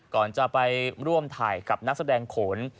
ก่อนจะไปร่วมถ่ายกับนักแสดงโขน